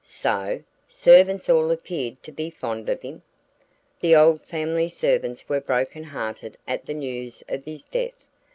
"So? Servants all appeared to be fond of him?" "The old family servants were broken hearted at the news of his death.